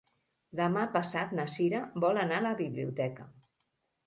Demà passat na Cira vol anar a la biblioteca.